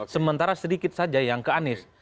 sementara sedikit saja yang ke anies